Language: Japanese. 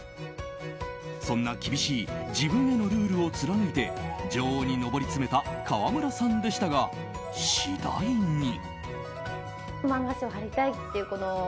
そんな厳しい自分へのルールを貫いて女王に上り詰めた川村さんでしたが、次第に。